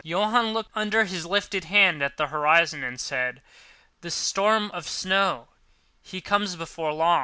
Johann looked under his lifted hand at the horizon and said: "The storm of snow, he comes before long time."